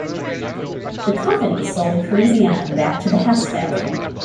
The company sold Parisian back to the Hess family.